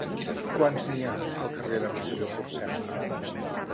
Quants n'hi ha al carrer de Rosselló-Pòrcel?